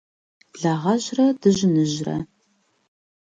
Благъэжьрэ дыжьыныжьрэ.